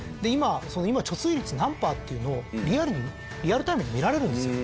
今貯水率何パーっていうのをリアルにリアルタイムで見られるんですよ。